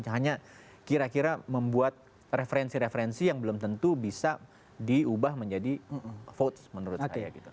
hanya kira kira membuat referensi referensi yang belum tentu bisa diubah menjadi vote menurut saya gitu